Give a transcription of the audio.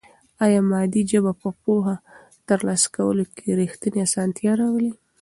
آیا مادي ژبه په پوهه ترلاسه کولو کې رښتینې اسانتیا راولي؟